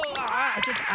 ちょっと！